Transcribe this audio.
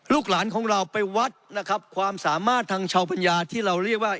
ลูกหลานของเราไปวัดนะครับความสามารถทางชาวปัญญาที่เราเรียกว่า